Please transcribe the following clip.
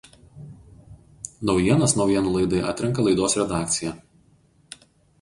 Naujienas naujienų laidai atrenka laidos redakcija.